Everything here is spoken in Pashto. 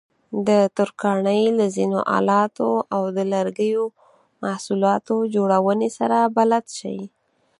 د ترکاڼۍ له ځینو آلاتو او د لرګیو محصولاتو جوړونې سره بلد شئ.